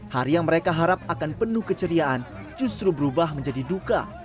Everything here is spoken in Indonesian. hari yang mereka harap akan penuh keceriaan justru berubah menjadi duka